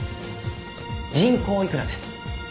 人工いくらです。